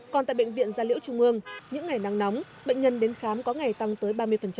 còn tại bệnh viện gia liễu trung ương những ngày nắng nóng bệnh nhân đến khám có ngày tăng tới ba mươi